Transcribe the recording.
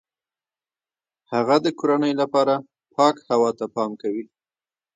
هغه د کورنۍ لپاره پاک هوای ته پام کوي.